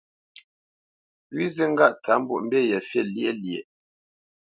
Pʉ̌ zi ŋgâʼ tsǎp mbwoʼmbî ye fî lyéʼ lyéʼ.